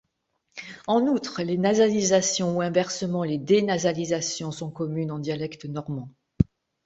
En outre, les nasalisations ou inversement les dénasalisations sont communes en dialecte normand.